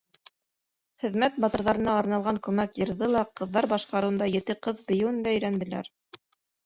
Хеҙмәт батырҙарына арналған күмәк йырҙы ла, ҡыҙҙар башҡарыуында «Ете ҡыҙ» бейеүен дә өйрәнделәр.